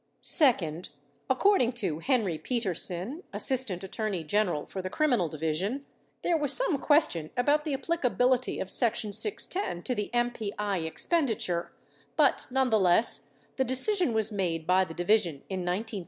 722 Second, according to Henry Petersen, Assistant Attorney General for the Criminal Division, there was some question about the applica bility of section 610 to the MP1 expenditure 11 but nonetheless, the decision was made by the Division in 1972 to investigate it further.